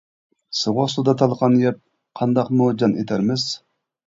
سوغۇق سۇدا تالقان يەپ، قانداقمۇ جان ئېتەرمىز.